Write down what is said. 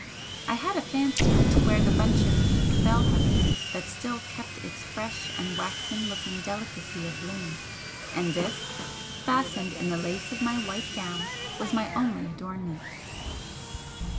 I had a fancy to wear the bunch of pink bell heather that still kept its fresh and waxen looking delicacy of bloom, and this, fastened in the lace of my white gown, was my only adornment.